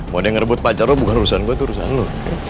mau dia ngerebut pacar lo bukan urusan gue itu urusan lo